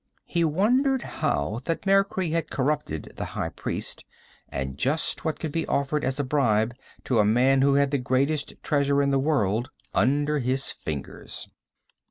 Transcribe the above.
He wondered how Thutmekri had corrupted the high priest, and just what could be offered as a bribe to a man who had the greatest treasure in the world under his fingers.